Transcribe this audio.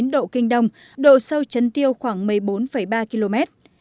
một trăm linh tám một trăm chín mươi chín độ kinh đông độ sâu chấn tiêu khoảng một mươi bốn vĩ độ bắc